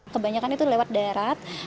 kebanyakan itu lewat daerah